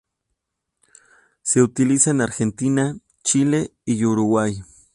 Se utiliza en Argentina, Chile y Uruguay.